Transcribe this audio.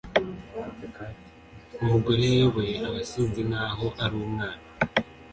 umugore yayoboye abasinzi nkaho ari umwana